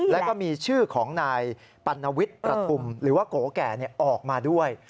แล้วก็มีชื่อของนายปัณวิทย์ประทุมหรือว่าโกแก่ออกมาด้วย